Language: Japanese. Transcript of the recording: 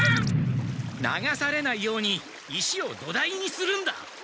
流されないように石を土台にするんだ。